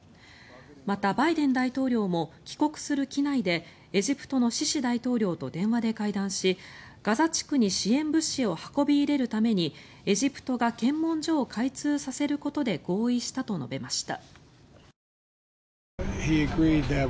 また、バイデン大統領も帰国する機内でエジプトのシシ大統領と電話で会談し、ガザ地区に支援物資を運び入れるためにエジプトが検問所を開通させることで合意したと述べました。